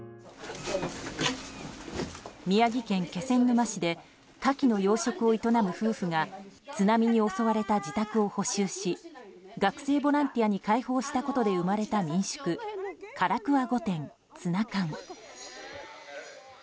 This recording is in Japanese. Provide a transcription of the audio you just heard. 宮城県気仙沼市でカキの養殖を営む夫婦が津波に襲われた自宅を補修し学生ボランティアに開放したことで生まれた民宿唐桑御殿つなかん。